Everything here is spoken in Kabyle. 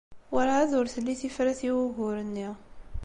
Werɛad ur telli tifrat i wugur-nni.